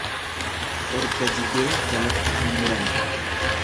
Erga jigee jalatti hin murani.